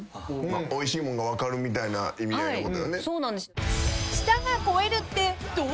おいしいもんが分かるみたいな意味合いのことよね。